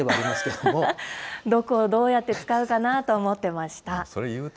どこをどうやって使うかなと思ってました。